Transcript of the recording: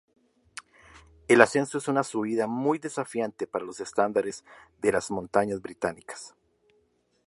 El ascenso es una subida muy desafiante para los estándares de las montañas británicas.